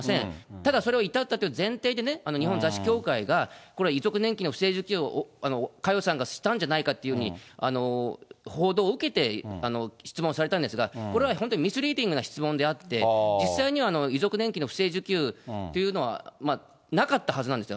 ただ、それが至ったって前提で、日本雑誌協会が、これ遺族年金の不正受給を佳代さんが知ったんじゃないかっていうふうに報道を受けて質問されたんですが、これは本当にミスリーディングな質問であって、実際には遺族年金の不正受給というのはなかったはずなんですよ。